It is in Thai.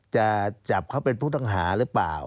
จะจับเขาเป็นผู้ต้องหาหรือเปล่า